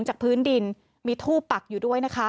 จากพื้นดินมีทูบปักอยู่ด้วยนะคะ